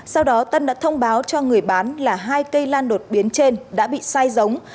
sau đó tân đã thông báo cho người bán là hai cây lan đột biến trên đã bị sai giống